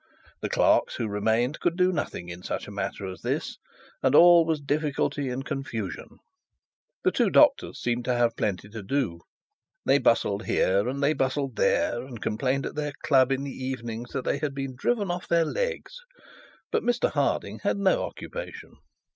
The clerks who remained could do nothing in such a matter as this, and all was difficulty and confusion. The two doctors seemed to have plenty to do; they bustled here and they bustled there, and complained at their club in the evenings that they had been driven off their legs; but Mr Harding had no occupation.